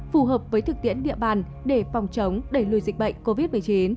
phù hợp với thực tiễn địa bàn để phòng chống đẩy lùi dịch bệnh covid một mươi chín